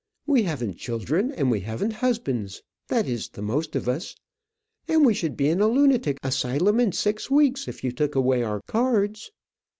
We haven't children, and we haven't husbands. That is, the most of us. And we should be in a lunatic asylum in six weeks if you took away our cards.